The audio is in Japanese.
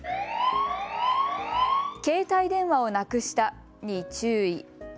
携帯電話をなくしたに注意。